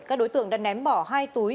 các đối tượng đã ném bỏ hai túi